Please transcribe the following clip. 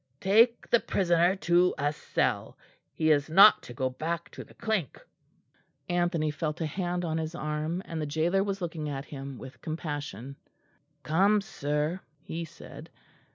"Take the prisoner to a cell; he is not to go back to the Clink." Anthony felt a hand on his arm, and the gaoler was looking at him with compassion. "Come, sir," he said.